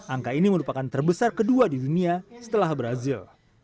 angka ini merupakan terbesar kedua di dunia setelah brazil